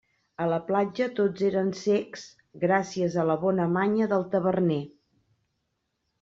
A la platja tots eren cecs, gràcies a la bona manya del taverner.